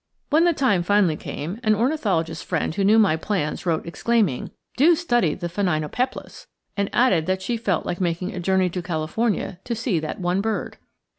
When the time finally came, an ornithologist friend who knew my plans wrote, exclaiming, "Do study the phainopeplas!" and added that she felt like making a journey to California to see that one bird.